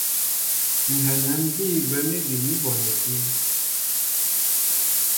Ŋ̀ hɛnɛ ḿ bîy gwɛ̌m ígi ni bɔnɛkí.